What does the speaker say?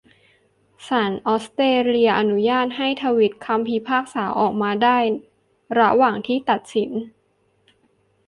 ศาลออสเตรเลียอนุญาตให้ทวิตคำพิพากษาออกมาได้ระหว่างที่ตัดสิน